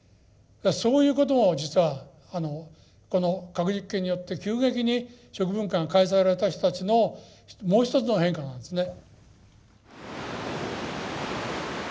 そういうことも実はこの核実験によって急激に食文化が変えさせられた人たちのもう一つの変化なんですね。